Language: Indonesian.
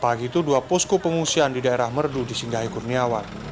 pagi itu dua posko pengungsian di daerah merdu disinggahi kurniawan